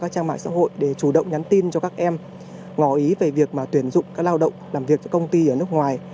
trang mạng xã hội để chủ động nhắn tin cho các em ngò ý về việc tuyển dụng các lao động làm việc cho công ty ở nước ngoài